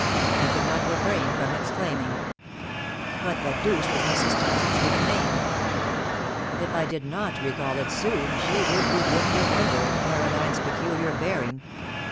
I could not refrain from exclaiming. What the deuce was Mrs. Taunton's given name? If I did not recall it soon she would begin to wonder at Caroline's peculiar bearing.